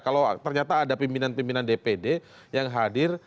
kalau ternyata ada pimpinan pimpinan dpd yang hadir